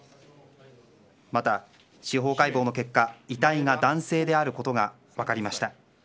また司法解剖の結果、遺体が男性であることが分かりました。